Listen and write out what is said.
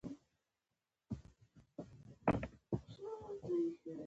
د منظر اواز د دوی زړونه ارامه او خوښ کړل.